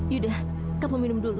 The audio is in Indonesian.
sudah kamu minum dulu